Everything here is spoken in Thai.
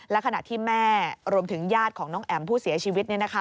และขณะที่แม่รวมถึงญาติของน้องแอ๋มผู้เสียชีวิต